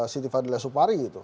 siti fadila supari gitu